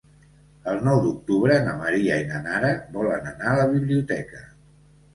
El nou d'octubre na Maria i na Nara volen anar a la biblioteca.